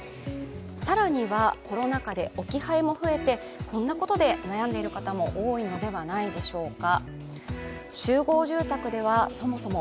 更には、コロナ禍で置き配も増えてこんなことで悩んでいる方も多いのではないでしょうか。